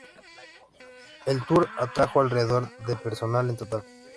El tour atrajo alrededor de personas en total.